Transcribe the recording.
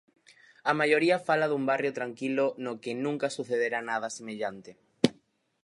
A maioría fala dun barrio tranquilo no que nunca sucedera nada semellante.